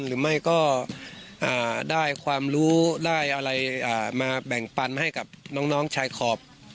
หรือไม่ก็ได้ความรู้ได้อะไรมาแบ่งปันให้กับน้องชายขอบ